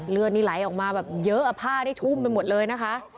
เลือดนี่ไหลออกมาแบบเยอะผ้าได้ชุ่มไปหมดเลยนะคะ